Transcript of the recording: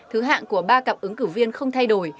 thứ hạng của ba cặp ứng cử viên không thay đổi